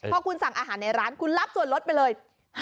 พอคุณสั่งอาหารในร้านคุณรับส่วนลดไปเลย